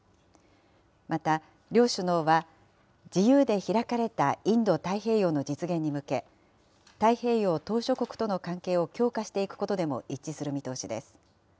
また、両首脳は、自由で開かれたインド太平洋の実現に向け、太平洋島しょ国との関係を強化していくことでも一致する見通しです。